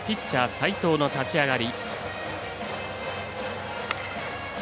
齋藤の立ち上がり。